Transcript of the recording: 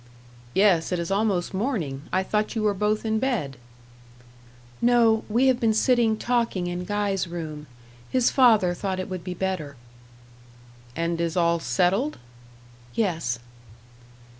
"Yes; it is almost morning. I thought you were both in bed." "No; we have been sitting talking in Guy's room. His father thought it would be better." "And is all settled?" "Yes."